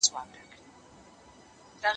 جواب ورکول د زده کوونکي له خوا کېږي..